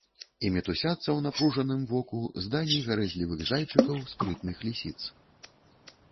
І мітусяцца ў напружаным воку здані гарэзлівых зайчыкаў, спрытных лісіц.